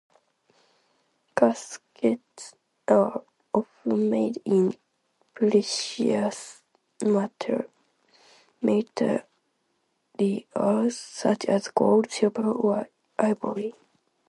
Caskets are often made in precious materials, such as gold, silver or ivory.